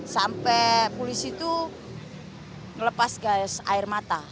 sampai polisi itu melepas gas air mata